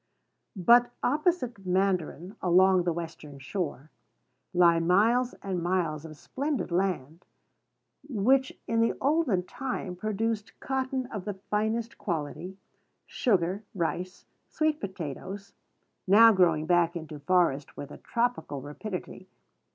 But opposite Mandarin, along the western shore, lie miles and miles of splendid land which in the olden time produced cotton of the finest quality, sugar, rice, sweet potatoes now growing back into forest with a tropical rapidity.